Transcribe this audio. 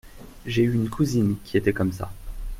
J’ai eu une cousine qui était comme ça.